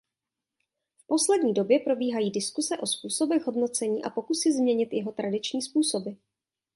V poslední době probíhají diskuse o způsobech hodnocení a pokusy změnit jeho tradiční způsoby.